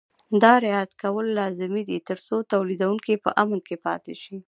دا رعایت کول لازمي دي ترڅو تولیدوونکي په امن کې پاتې شي.